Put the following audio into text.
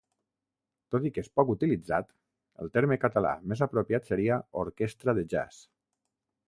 Tot i que és poc utilitzat, el terme català més apropiat seria orquestra de jazz.